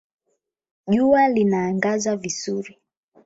Jua linaangaza vizuri